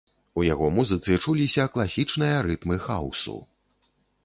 У яго музыцы чуліся класічныя рытмы хаўсу.